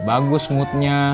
gak bagus moodnya